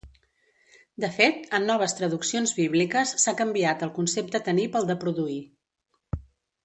De fet, en noves traduccions bíbliques s'ha canviat el concepte tenir pel de produir.